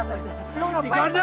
bisa dibantu polisi